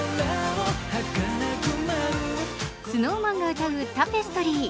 ＳｎｏｗＭａｎが歌う「タペストリー」。